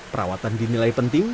perawatan dinilai penting